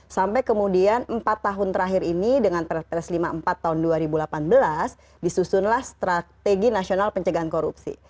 sampai kemudian empat tahun terakhir ini dengan perpres lima puluh empat tahun dua ribu delapan belas disusunlah strategi nasional pencegahan korupsi